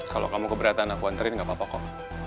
kalau kamu keberatan aku hantarin enggak apa apa kok